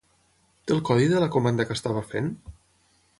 Té el codi de la comanda que estava fent?